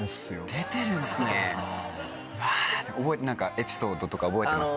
エピソードとか覚えてます？